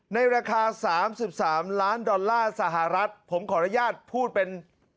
ในราคา๓๓ล้านดอลลาร์สหรัฐผมขออนุญาตพูดเป็น